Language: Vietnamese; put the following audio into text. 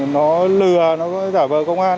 nó lừa nó giả vờ công an